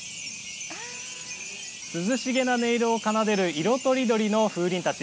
涼しげな音色を奏でる色とりどりの風鈴たち。